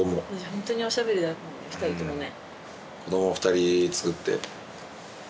ホントにおしゃべりだもん２人ともね。